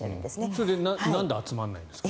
それでなんで集まらないんですか。